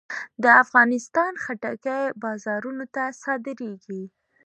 د افغانستان خټکی بازارونو ته صادرېږي.